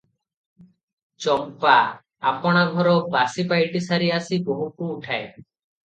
ଚମ୍ପା ଆପଣା ଘର ବାସିପାଇଟି ସାରି ଆସି ବୋହୁକୁ ଉଠାଏ ।